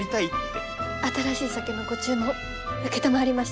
新しい酒のご注文承りました。